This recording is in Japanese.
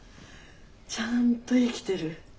ちゃんと生きてる。